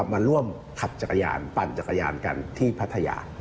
มาร่วมขับจักรยานปั่นจักรยานกันที่พัทยา